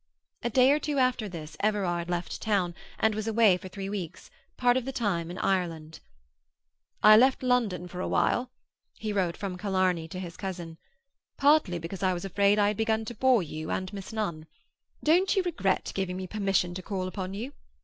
A day or two after this Everard left town, and was away for three weeks, part of the time in Ireland. "I left London for a while," he wrote from Killarney to his cousin, "partly because I was afraid I had begun to bore you and Miss Nunn. Don't you regret giving me permission to call upon you?